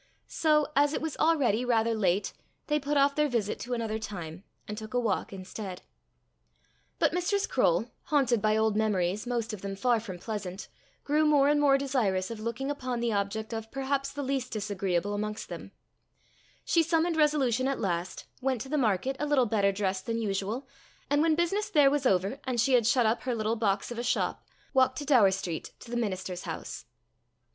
So, as it was already rather late, they put off their visit to another time, and took a walk instead. But Mistress Croale, haunted by old memories, most of them far from pleasant, grew more and more desirous of looking upon the object of perhaps the least disagreeable amongst them: she summoned resolution at last, went to the market a little better dressed than usual, and when business there was over, and she had shut up her little box of a shop, walked to Daur street to the minister's house.